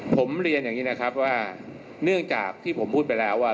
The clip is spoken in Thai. ผมเรียนอย่างนี้นะครับว่าเนื่องจากที่ผมพูดไปแล้วว่า